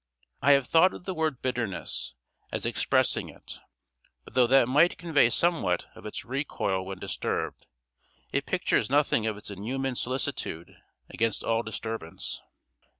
I have thought of the word bitterness, as expressing it; but though that might convey somewhat of its recoil when disturbed, it pictures nothing of its inhuman solicitude against all disturbance.